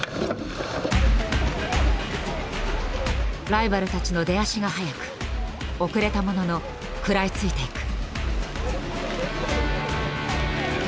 ライバルたちの出足が速く遅れたものの食らいついていく。